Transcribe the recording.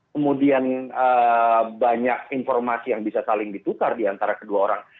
kemudian banyak informasi yang bisa saling ditukar diantara kedua orang